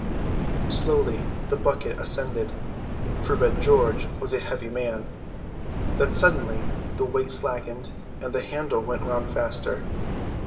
Slowly the bucket ascended, for Red George was a heavy man; then suddenly the weight slackened, and the handle went round faster.